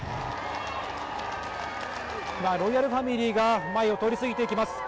今、ロイヤルファミリーが前を通り過ぎていきます。